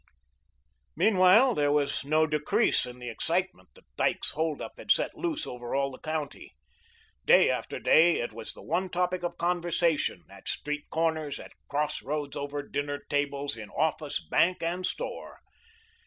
Meanwhile there was no decrease in the excitement that Dyke's hold up had set loose over all the county. Day after day it was the one topic of conversation, at street corners, at cross roads, over dinner tables, in office, bank, and store.